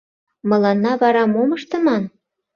Мыланна вара мом ыштыман?